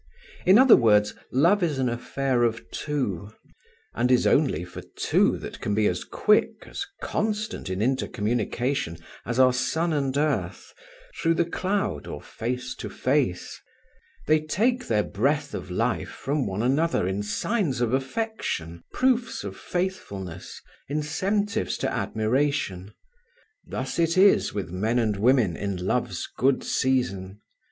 In other words, love is an affair of two, and is only for two that can be as quick, as constant in intercommunication as are sun and earth, through the cloud or face to face. They take their breath of life from one another in signs of affection, proofs of faithfulness, incentives to admiration. Thus it is with men and women in love's good season.